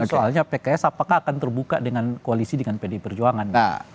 soalnya pks apakah akan terbuka dengan koalisi dengan pdi perjuangan